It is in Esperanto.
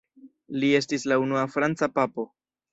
Li estis la unua franca papo.